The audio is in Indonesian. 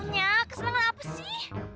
nyah kesenangan apa sih